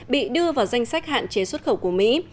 bị đưa vào danh sách hạn chế xuất khẩu của mỹ